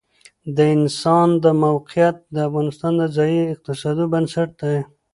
د افغانستان د موقعیت د افغانستان د ځایي اقتصادونو بنسټ دی.